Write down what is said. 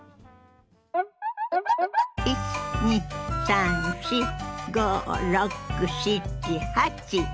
１２３４５６７８。